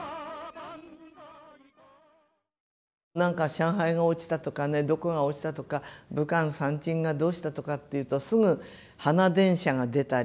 なんか上海が落ちたとかねどこが落ちたとか武漢三鎮がどうしたとかっていうとすぐ花電車が出たり。